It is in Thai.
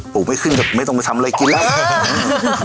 ลูกไม่ขึ้นแบบไม่ต้องไปทำเลยกินแล้ว